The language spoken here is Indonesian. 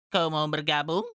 kau mau bergabung